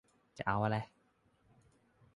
จะเอาอะไร